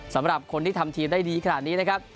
สำหรับคนที่ทำทีมได้ดีขนาดนี้นะครับ